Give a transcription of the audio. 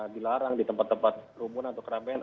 dilarang di tempat tempat kerumunan atau keramaian